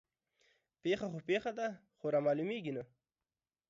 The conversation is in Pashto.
پيښه خو پيښه ده خو رامعلومېږي نه